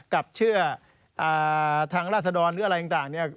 กับเชื่อทางราษฎรหรืออะไรต่าง